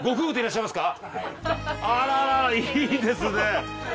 あららいいですね。